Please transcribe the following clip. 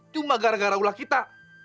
cuma gara gara ulah kita